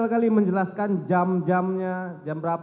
kalau tadian jempol yang barah